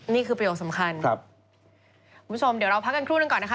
ประโยคสำคัญครับคุณผู้ชมเดี๋ยวเราพักกันครู่หนึ่งก่อนนะคะ